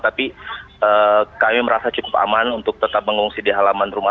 tapi kami merasa cukup aman untuk tetap mengungsi di halaman rumah